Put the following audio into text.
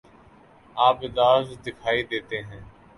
آپ اداس دکھائی دیتے ہیں